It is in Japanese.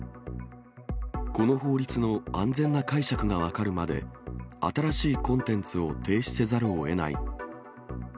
この法律の安全な解釈が分かるまで、新しいコンテンツを停止せざるをえない。